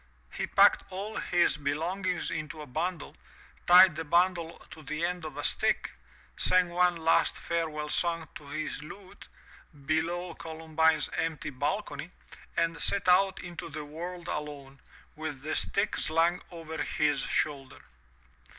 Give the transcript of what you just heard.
He packed all his belongings into a bundle, tied the bundle to the end of a stick, sang one last fare well song to his lute, below Columbine's empty balcony, and set out into the world alone, with the stick slung over his shoulder.